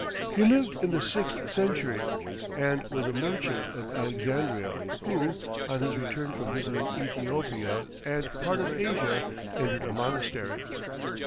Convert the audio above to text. He lived in the sixth century, and was a merchant of Alexandria, who, on his return from visiting Ethiopia and part of Asia, entered a monastery.